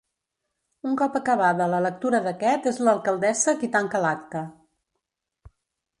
Un cop acabada la lectura d'aquest és l'alcaldessa qui tanca l'acte.